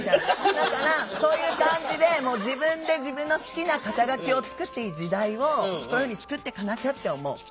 だからそういう感じで自分で自分の好きな肩書きを作っていい時代をこういうふうに作っていかなきゃって思う。